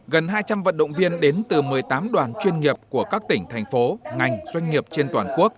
gần hai trăm linh vận động viên đến từ một mươi tám đoàn chuyên nghiệp của các tỉnh thành phố ngành doanh nghiệp trên toàn quốc